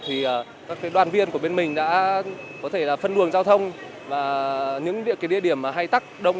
thì các đoàn viên của bên mình đã có thể là phân luồng giao thông và những địa điểm hay tắc đông